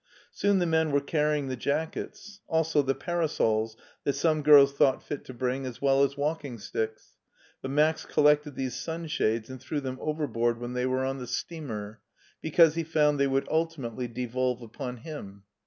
Soon the men were carry ing the jackets, also the parasols that some girls thought fit to bring as well as walking sticks, but Max collected these sunshades and threw them overboard HEIDELBERG 43 when they were on the steamer, because he found they .would ultimately devolve upon him.